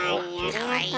かわいい。